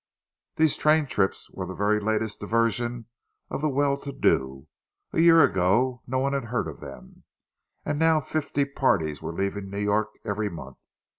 These train trips were the very latest diversion of the well to do; a year ago no one had heard of them, and now fifty parties were leaving New York every month.